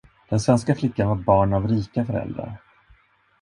Den svenska flickan var barn av rika föräldrar.